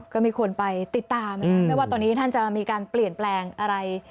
ก็มีคนไปติดตามไม่ว่าตอนนี้ท่านจะมีการเปลี่ยนแปลงอะไร